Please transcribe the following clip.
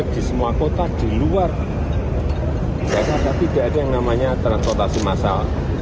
di semua kota di luar jakarta tidak ada yang namanya transportasi massal